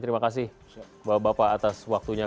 terima kasih bapak bapak atas waktunya